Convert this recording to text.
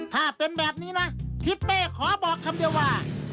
ถ้าเป็นแบบนี้นะทิศเป้ขอบอกคำเดียวว่า